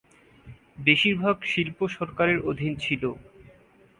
বেশির ভাগ শিল্প সরকারের অধীন ছিল।